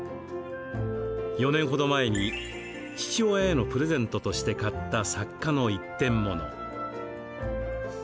４年程前に父親へのプレゼントとして買った作家の一点物。